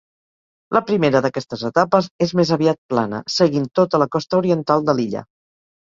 La primera d'aquestes etapes és més aviat plana seguint tota la costa oriental de l'illa.